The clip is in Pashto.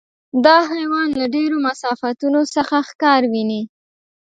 دا حیوان له ډېرو مسافتونو څخه ښکار ویني.